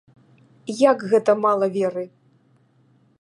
Як гэта мала веры?